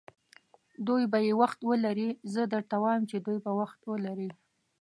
دوی به یې وخت ولري، زه درته وایم چې دوی به وخت ولري.